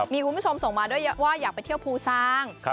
มีคุณผู้ชมส่งมาด้วยว่าอยากไปเที่ยวภูซาง